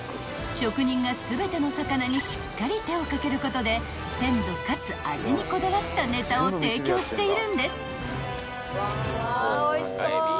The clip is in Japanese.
職人が全ての魚にしっかり手を掛けることで鮮度かつ味にこだわったネタを提供しているんです］